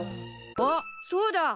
あっそうだ。